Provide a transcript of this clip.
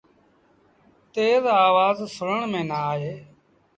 تيز آوآز سُڻڻ ميݩ نا آئي۔